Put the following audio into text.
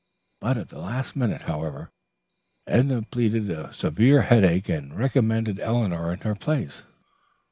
At the last minute, however, Edna pleaded a severe headache and recommended Eleanor in her place.